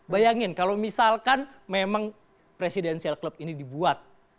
bayangin kalau misalkan memang presidensial club ini dibuat